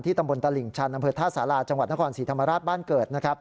ที่ตำบลตลิ่งชานำเภอท่าศาลาจังหวัดนครศรีธรรมราชบ้านเกิด